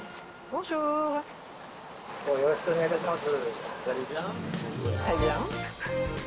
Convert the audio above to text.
きょうはよろしくお願いいたします。